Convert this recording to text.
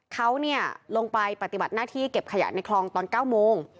เขาลงไปปฏิบัติหน้าที่เก็บขยะในคลองตอน๙โมง